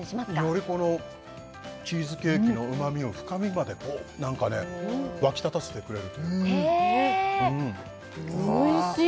よりこのチーズケーキのうまみを深みまでこうなんかね湧き立たせてくれるというかえっおいしい！